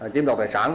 chiếm đồ tài sản